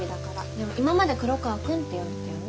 でも今まで「黒川くん」って呼んでたよね。